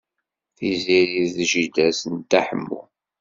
Tiziri d jida-s n Dda Ḥemmu.